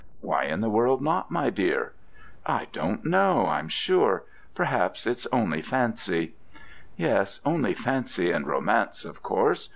"Why in the world not, my dear?" "I don't know, I'm sure. Perhaps it's only fancy." "Yes, only fancy and romance, of course.